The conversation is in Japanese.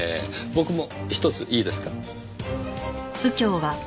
僕もひとついいですか。